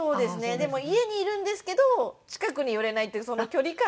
でも家にいるんですけど近くに寄れないっていうその距離感が。